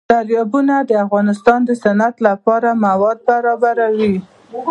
دریابونه د افغانستان د صنعت لپاره مواد برابروي.